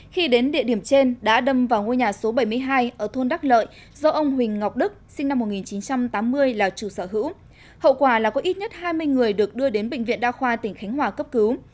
khi đến địa điểm trên đã đâm vào ngôi nhà số bảy mươi hai ở thôn đắc lợi do ông huỳnh ngọc đức sinh năm một nghìn chín trăm tám mươi là chủ sở hữu hậu quả là có ít nhất hai mươi người được đưa đến bệnh viện đa khoa tỉnh khánh hòa cấp cứu